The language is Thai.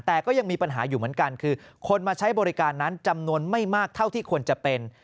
แต่ก็ยังมีปัญหาอยู่เหมือนกันคือคนมาใช้บริการนั้นจำนวนไม่มากเท่าที่ควรจะเป็น